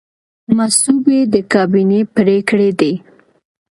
مصوبې د کابینې پریکړې دي